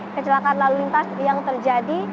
kecelakaan lalu lintas yang terjadi